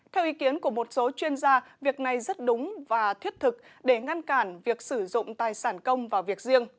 theo ý kiến của một số chuyên gia việc này rất đúng và thiết thực để ngăn cản việc sử dụng tài sản công vào việc riêng